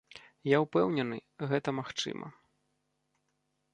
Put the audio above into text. Я ўпэўнены, гэта магчыма.